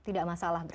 tidak masalah berarti